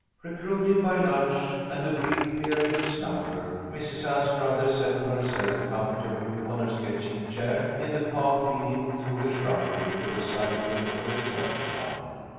Recruited by lunch and a brief period of slumber, Mrs Anstruther settled herself comfortably upon her sketching chair in the path leading through the shrubbery to the side gate of the churchyard.